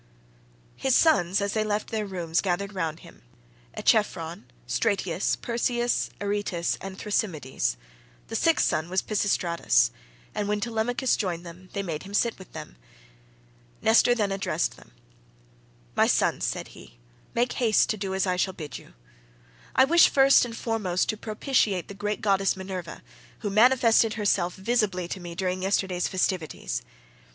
His sons as they left their rooms gathered round him, Echephron, Stratius, Perseus, Aretus, and Thrasymedes; the sixth son was Pisistratus, and when Telemachus joined them they made him sit with them. Nestor then addressed them. "My sons," said he, "make haste to do as I shall bid you. I wish first and foremost to propitiate the great goddess Minerva, who manifested herself visibly to me during yesterday's festivities.